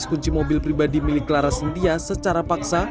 kunci mobil pribadi milik clara sintia secara paksa